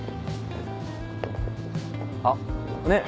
あっねぇ。